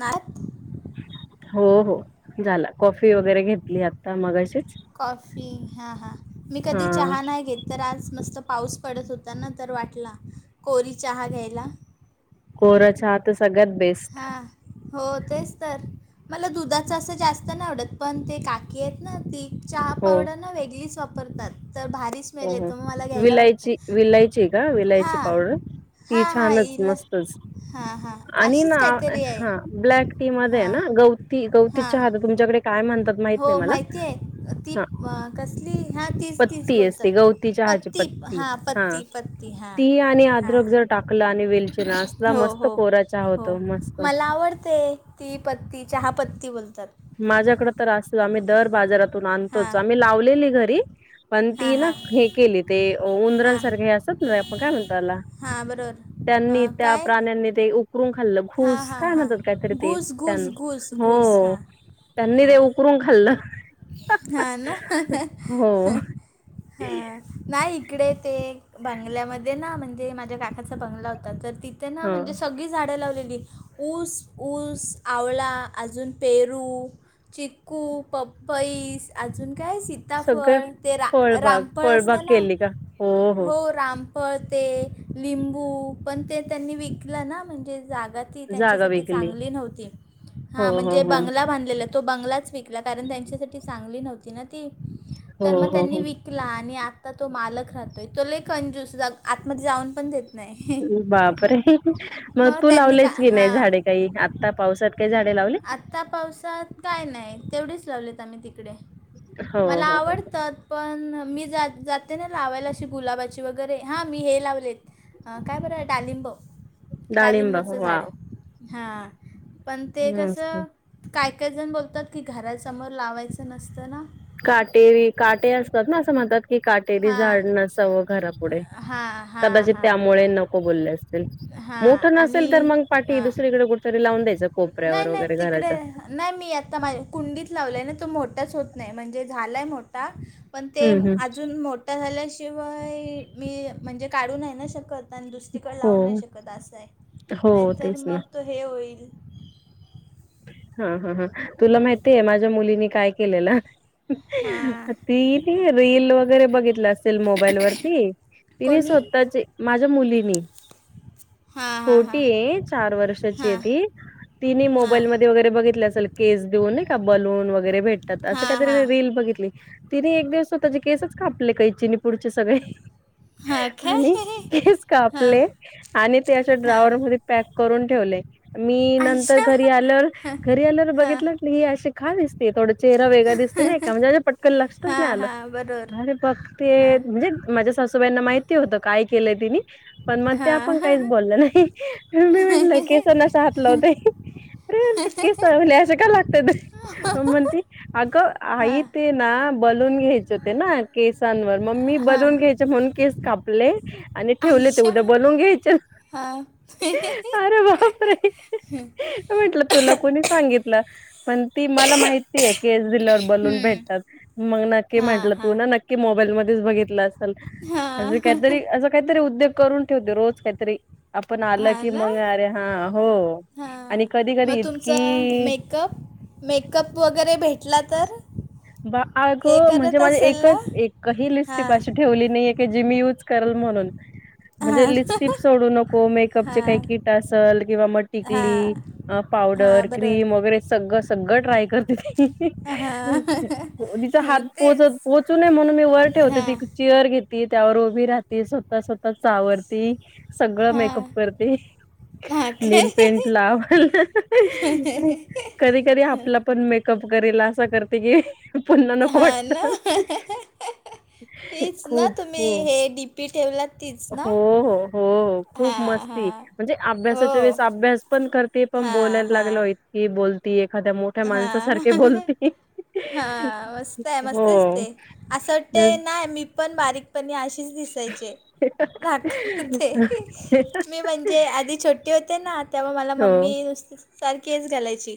नाय ओ. हो हो झाला कॉफी वगैरे जरा घेतली आता मगाशी. कॉफी हा हा मी हा कधी चहा नाय घेत. तर आज मस्त पाऊस पडत होता ना तर वाटला कोरी चहा घ्यायला कोरा चहा तर सगळ्यात बेस्ट. हा. हो तेच तर मला दुधाच असं जास्त नाही आवडत पण ते काकी आहेत ना ती चहा हो पावडर ना वेगळीच वापरतात तर भारी स्मे हा हा विलायची विलायची हे का विलायची हां पावडर? ती हां हां छानच इला मस्तच हां हां आणि अशीच काहीतरी आहे हा ब्लॅक टी मध्ये हां ना गवती गवती हां चहा तर तुमच्याकडे काय म्हणतात माहित हो नाही मला माहिती आहे ती कसली हा तीच तीच ती बोलतात असते गवती चहा चे पत्ती हां पत्ती पत्ती हां ती आणि हां अद्रक जर टाकलं आणि वेलचिना असला हो मस्त हो कोरा चहा हो होतो मस्त. मला आवडते ती पत्ती चहा पत्ती बोलतात. माझ्याकडे तर असत आम्ही दर बाजारातून हां आणतोच आम्ही लावलेली घरी. पण हां ती ना हां हे केली ते हां उंदरांसारखे हे असतात ना आपण काय म्हणतो ह्याला हां बरोबर. त्यांनी अं, त्या काय प्राण्यांनी ते उब उकरून खाल्लं हां घूस हां काय हां म्हणतात काहीतरी ते घूस घूस घूस त्यांना हो घूस हां त्यांनी ते उखरून खाल्लं. हा ना हो हा. नाही इकडे ते बंगल्यामध्ये ना म्हणजे माझ्या काकाचा बंगला होता तर ति ते ना म्हणजे ह सगळी झाडं लावलेली. ऊस ऊस आवळा अजून पेरू चिकू पप पईस अजून काय सी सगळे सीताफळ ते रा फळबाग रामफळ फळबाग असतं ना केली का हो हो राम फळते लिंबू पण ते त्यांनी विकलं ना म्हणजे जागा ति जागा त्यांच्यासाठी विकली चांगली नव्हती हो हा हो म्हणजे हो बंगला बांधलेला बंगलाच विकला त्यांच्या साठी चांगली नव्हती ना ती. हो तर मग हो त्यांनी हो विकला आणि आता तो मालक राहतोय तो लय कंजूस आतमध्ये जाऊन पण देत नाही हं बापरे मग तू का लावलेस की नाही हां झाडे काही आत्ता पावसात काही झाडे लावले? आत्ता पावसात काय नाही तेवढीच लावलीत आम्ही तिकडे हो मला हो हो आवडतं. पण मी ज जाते ना लावायला अशी गुलाबाची वगैरे हां मी हे लावलेत अ काय बरं डालिंब. डाळिंब वाव, हा. ते मस्त कसं काय काय जण बोलतात, की घरासमोर लावायचं नसतं ना? काटेरी काटे असतात ना असं म्हणतात की, काटेरी हां झाड नसावं घरापुढे. हां हां कदाचित हां त्यामुळे नको बोलले असतील, हां मोठं नसेल तर आणि मग पाठी हां दुसरीकडे कुठे? कुठ तरी लाऊन दद्याचं, नाही कोपऱ्यावर नाही वगैरे तिकडे घरायच्या. नाही मी आता माझ कुंडीत लावलंय ना, तो मोठाच होत नाही म्हणजे झालाय मोठा. पण ते हम्म हम्म अजून मोठं झाल्याशिवाय, मी म्हणजे काढू नाही ना शकत. आणि दुसरी कडे हो लावू नाही शकत असं आहे. हो नाहीतर तेच ना मग तो हे होईल, हा हा हां तुला माहितीय? माझ्या मुलीनि काय केलेलं? हां ती ती रीली वगैरे बघितलं असेल, मोबाईल वरती. तिनि कोणी स्वतः चे, माझ्या मुलींनी. हां हां हां छोटी आहे, चार वर्षाची आहे हां ती. तिने मोबा हां वगैरे बघितल असेल केस देऊन नाही का, बलून वगैरे भेटतात अस हां हां काहीतरी रील बघितलि असेल. तिने एक दिवस स्वतःचे केसच कापले, कैचिनी पुढचे सगळे. हां आणि काय केस हां कापले, आणि ते अशा हां ड्रावरमध्ये. पॅक करून ठेवले, मी नंतर आयशा घरी आल्यावर हां घरी आल्यावर हां बघितलं. ती अशी खान दिसते थोडा चेहरा वेगळा दिसते, एका म्हणजे अे पटकन लक्षातच हां नाही आलं. हां बरोबर अरे! बघते हां म्हणजे माझ्या सासूबाईंना माहिती होतं, काय केलंय तिने. पण मग त्या पण हां काहीच बोललं नाही, मी म्हटलं केसाना अश्या हात लावते. [unintelligible] म्हणती, आग आई हां ते. ते ना बलून घ्यायचे होते ना, केसांवर मग मी हां बलून घ्यायचे म्हणून केस. कापले! आणि ठेवले ते आयशा उद्या बलून घ्यायच, हां अरे बापरे! म्हटलं तुला कोणी सांगितलं, पण. ती मला माहितीय की, केस दिल्या वर बलून भेटतात मग नक्की हां म्हटलं, तू हां ना नक्की. की मोबाईल मध्येच बघितल असेल, अस हां काहीतरी अस काहीतरी उद्योग करून. होते रोज काहीतरी आपण आलं हां की ना मग अरे! हा! हो! हां आणि कधी मग कधी तुमचा इतकी. मेकअप? मेकअप वगैरे भेटला तर? बा अग हे म्हणजे करत माझे, असेल ना एकच एकही लिपस्टिक हां आशी. ठेवली नाहीे, की मी यूज करल म्हणून. म्हणजे हां लिपस्टिक सोडू नको मेकअपचे हां काही किट असेल किंवा मग हां टिकली. मग हां पावडर, क्रीम.. बरोबर वगैरे सगळं सगळं ट्राय करते ती. हां तिचा हात तेच पोहोचत पोचू नये, म्हणून मी वर ठेवते हां ती- चेअर घेत त्यावर उभी राहती, स्वतः स्वतः ता चा आ. सगळा हां मेकअप करती. हां काय नेलपेंट लाव [unintelligible] कधी कधी आपला पण मे कपकरीला असं करते कि, पुन्हा नको हां ना वाटत. हीच ना खूप, तुम्ही खूप, हे डी पी ठेवलात तीच ना हो हो हो हो खूप हां मस्ती हां म्हणजे, हो अभ्यासाच्या वेळेस अभ्यास पण करते पण हां बोलायला हां लागला हो ही बोलती एखाद्या मोठ्या माणसासारखे बोलती हा मस्त आहे हो मस्तच दिसते, असं वाटते नाही मी पण बारीकपणी. अशीच दिसायचे दाखवते. मी म्हणजे आधी छोटी होते ना, तेव्हा मला हो मम्मी नुसती सारखीच हेच घालायची.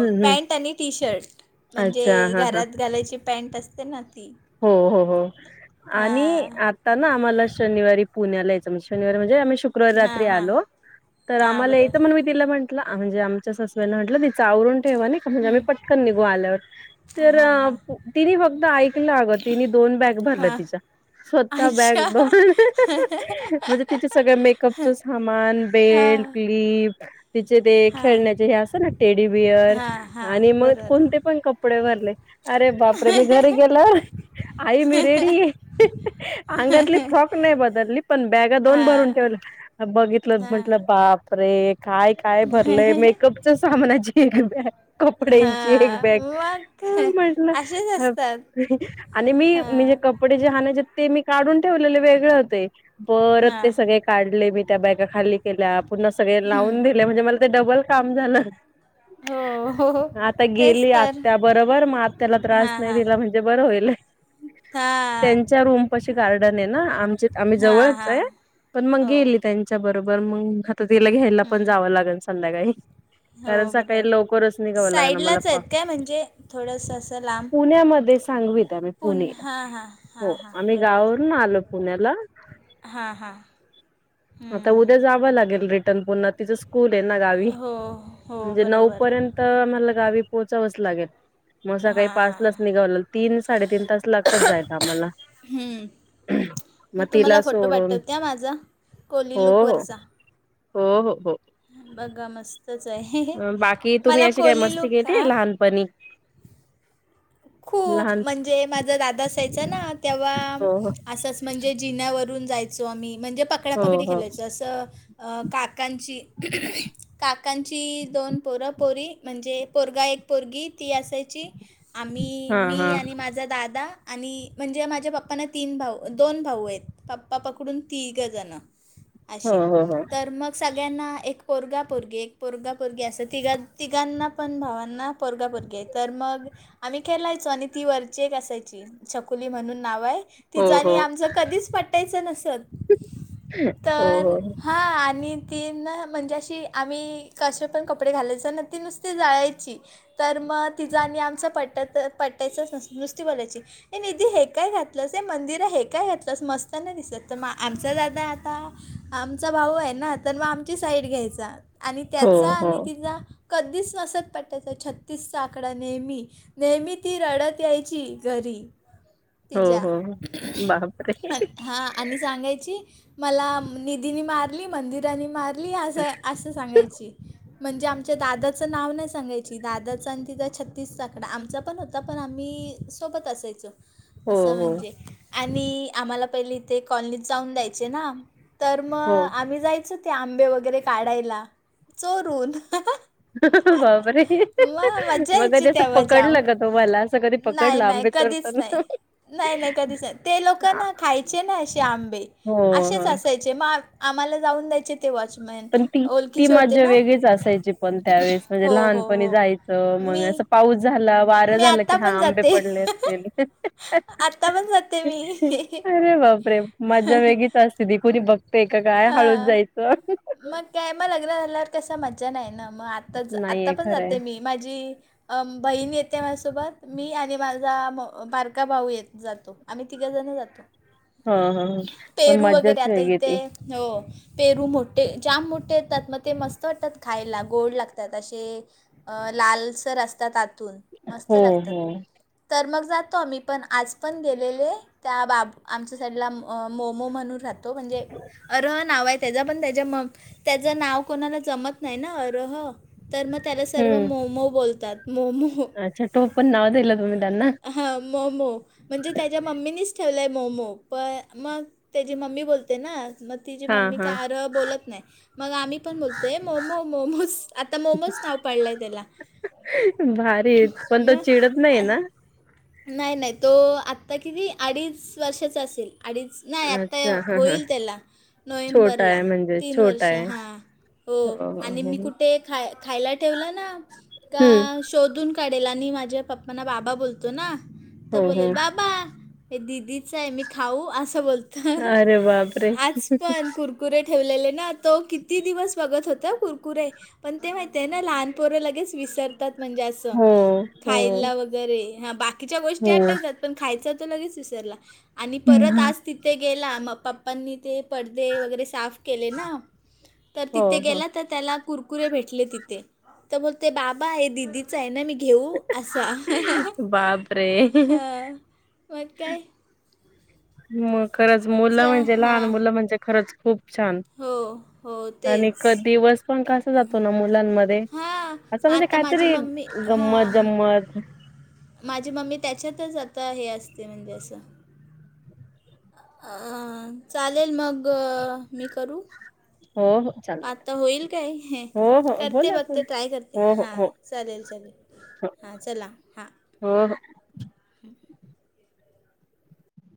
हम्म हम्म पॅन्ट आणि टी शर्ट म्हणजे अच्छा हा हा घरात घालायची पॅन्ट असते ना ती हो हो हो आणि हां आ ताना आम्हाला शनिवारी पुण्याला यायचं म्हणजे शनिवारी म्हणजे आम्ही शुकवारी हां रात्री हां आलो तर हां आम्हाला येतं बरोबर मण मी तिला म्हटलं म्हणजे आमच्या सासुबाईना म्हटलं तिच आवरून ठेवानी म्हणजे पटकन निघू आल्यावर तर तिनी फक्त ऐक ल अग तिनी दोन बॅग भरलं हां तिच्या स्वतः बॅग आयशा दोन म्हणजे तीच सगळ मेकअपचं सामान हां बेल्ट क्लिप तिचे ते खेळण्याचे हे असत ना टेडी बिअर हा हा आणि मग बरोबर कोणते पण कपडे भरले अरे बापरे मी घरी गेल आई मी रेडी ये अंगातली फ्रॉक नाही बदलली पण बॅगा दोन भरून हा ठेवलया बघितलंत हा म्हटलं बाप रे काय काय भरलंय मेकअपच्या सामनाची एक बॅग कपड्यांची एक हा बॅग मग हा म्हंटलं असेच असतात आणि मी म्हणजे हां कपडे जे आणायचे आहेत ते मी काढून ठेवलेले वेगळे होते परत हां ते सगळे काढले मी त्या बॅगा खाली केल्या पुन्हा सगळे लावून दिले म्हणजे मला ते डबल काम झालं हो हो हो आता तेच गेली तर आत्या बरोबर म आत्याला त्रास हां नाही हां दिला म्हण जे बर होईल हां त्यांच्या रूम पाशी गार्डन आहे ना आमच्या आम्ही हां जवळच हां हाय पण मग हो गेली त्यांच्या बरोबर मग आता तिला घ्यायला पण हम्म. जावं लागायचं संध्याकाळी हो कारण सकाळी बरोबर लवकरच निघाव लागनार मला साईडलाच प आहेत काय म्हणजे थोडंसं असं लांब पुण्यामध्येच सांगवित आम्ही पुणे पुन हां हां हो हां हां गावावरून आलो पुण्याला हा हा आता उद्या जावं लागेल रिटर्न पुन्हा तिचं स्कूल आहे ना गावी हो हो म्हणजे नऊ बरोबर पर्यंत मला गावी पोचावंच लागेल म सकाळी पाच लाच हां निघाव लागल तीन साडे तीन तास लागतात जायला आम्हाला हू मी मग तुम्हाला तिला फोटो सोडून पाठवते माझा कोली हो हो लुकवरचा हो हो हो बघा मस्तच हा अं, मला कोली लूक आ पनी खूप म्हणजे माझा दादा असायचा ना तेव्हा हो हो असं म्हणजे जिन्यावरून जायचो आम्ही म्हणजे हो पकडापकडी हो खेलायचो असं अ काकांची काकांची दोन पोरं पोरी म्हणजे पोरगा एक पोरगी ती असायची आम्ही हा मी हा आणि माझा दादा आणि म्हणजे माझ्या पप्पांना तीन भाऊ दोन भाऊ आहेत पप्पा पकडून तीघजन हो अशी हो हो तर मग सगळ्यांना एक पोरगा पोरगी एक पोरगा पोरगी असं तिघां तिघांना पण भावांना पोरगा पोरगी आहेत तर मग आम्ही खेलायचो आणि ती वरची एक असायची छकुली म्हणून नाव आहे हो तिजं आणी हो आमचं कधीच पटायचं नसत हो तर हां आणि ती ना म्हणजे अशी आम्ही कसे पण कपडे घालायच ना ती नुसती जळायची तर म तिच आणि आमच पटत पटायचा नसत नुसती बोलायची हे निधी हे काय घातलंस हे मंदिरा हे काय घातलंस मस्त नाय दिसत तर आमचा दादा आता आमचा भाऊ आहे ना तर मग आमची साईड घ्यायचा आणि हो हो त्याचा हो आणि तिचा, कधीच नसत पटत छत्तीसचा आकडा नेहमी. नेहमी ती रडत यायची घरी हो तिज्या हो हो. बापरे हां, आणि सांगायची, मला निधीनी मारली मंदिरानी मारली असं, अस असं सांगायची, म्हणजे आमच्या दादाचं नाव नाही सांगायची, दादाच आणि तिचा छत्तीसचा आक आमचा पण होता पण आम्ही सोबत असायचो, हो असं हो म्हणजे आणि आम्हाला पहिले इथे कॉलनीत जाऊन द्यायचे ना, तर हो मग आम्ही जायचो ते आंबे वगैरे काढायला, चोरून. बापरे! मग मजा मग ते यायची कसं तेव्हा जाम पकडलं का तुम्हाला असं कधी नाही पकडलं नाही आंबे कधीच नाही चोरताना..? नाही नाही कधीच नाही, ते लोकं आ ना खायचे ना असे आंबे, हो हो असेच असायचे ग आम्हाला जाऊन द्यायचे. [unintelligible] पण ती, ती ओळखीचे होते मजा ना वेगळीच असायची पण त्यावेळेस, म्हणजे हो हो लहानपणी हो जायची मग मी असं पाऊस झालं, वारं मी झालं की आत्ता हा, पण आंबे जाते पडले असतील. आत्ता पण जाते मी अरे बापरे! मजा वेगळीच. आसते ती, कुणी बघतय कि काय हळूच हां जायचं. मग काय, मग लग्न झाल्यावर कसं मज्जा नाही ना, मग आता आता नाहीये पण खरंय जाते मी, माझी अ बहीण येते माझ्यासोबत, मी आणि माझा बारका भाऊ येत जातो. आम्ही तिघं जणं जातो. हा हा ह पण पेरू वगैरे मजाच आता वेगळी इथे ती. हो. पेरू मोठे, जाम मोठे येतात मग ते मस्त वाटतात खायला गोड लागतात अशे. अं लालसर असतात आतून, मस्त हो लागतात. हो तर मग जातो आम्ही पण, आज पण गेलेले. त्या बाब आमच्या साईडला मोमो म्हणून राहतो म्हणजे अरह नाव ये त्याच, पण त्याच्या म त्याचं नाव कोणाला जमत नई ना अरह. तर मग त्याला सर्व हम्म मोमो बोलतात मोमो. अच्छा टोपण नाव दिलं तुम्ही त्यांना हां मोमो. म्हणजे त्याच्या मम्मीनीच ठेवलंय मोमो, पण मग त्याची मम्मी बोलते ना म. तिची हा मम्मी हा काय अरह बोलत नाय. मग आम्ही पण बोलतो, मोमो मोमोज आता मोमोज नाव पडलाय त्याला. भारीच पण तो चिडत नई ये ना. नाय नाय, तो आत्ता ना किती अडीच वर्षाचा असेल अडीच. नाय आत्ता, अच्छा हा हा होईल त्याला छोटा नो्हेंबरला आहे म्हणजे तीन छोटा वर्ष आहे. हां. हो, हो आणि मी हम्म कुठे खा खायला ठेवलं ना का शोधून काढेल, आणि माझ्या पप्पाना बाबा बोलतो ना, हो तर बोलेल हो. बाबा हे दिदीच मी खाऊ, आसं बोलतो, अरे बापरे! आज पण कुरकु. कुरे ठेवलेले ना, तो किती दिवस बघत होता हं कुरकुरे. पण ते माहितीये ना लहानपोरं लगेच विसर्. तात म्हणजे असं, हो, हो. खायला वगैरे हा बाकीच्या गोष्टी हो. आठवतात पण खायचा तो लगेच विसरला, आणि हं, परत हं. आज. तिथे गेला, मग पप्पांनी ते पडदे वगैरे साफ केले ना, तर हो, तिथे हो. गेला तर. त्याला कुरकुरे भेटले तिथे,, तर बोलते बाबा हे दिदी [unintelligible] ना मी घेऊ असा. बाप रे. हां मग काय. मग खरंच च मुलं म्हणजे लहान हां मुलं म्हणजे खरंच खूप छान. हो हो. आणि तेच क दिवस पण कसा जातो ना मुलांमध्ये. हां, असं म्हणजे आता काय माझी तरी मम्मी हां, गंमत म- जंमत. माझी मम्मी त्याच्यातच आता हे असते म्हणजे अस. अं चालेल मग मी करू. हो, हो चालतं. आता होईल काय हे. हो, हो. करते बोला, बघते बोला. ट्राय करते हो, हो, हां हो, चालेल हो, चालेल हां चला. हां हो हो. [unintelligible]